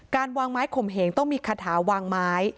การวางไม้ข่มเหงต้องมีคาถาวางไม้